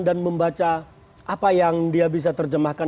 dan membaca apa yang dia bisa terjemahkan